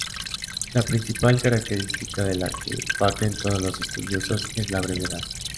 La principal característica de la que parten todos los estudiosos es la brevedad.